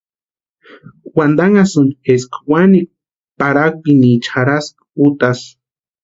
Wantanhasïnti eska wanikwa parhakpiniecha jarhaska útasï.